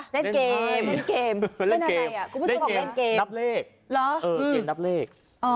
เล่นเกมเล่นเกมนับเลข